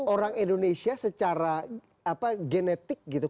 orang indonesia secara genetik gitu